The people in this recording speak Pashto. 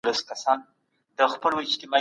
ظلم هيڅکله نه بريالی کيږي.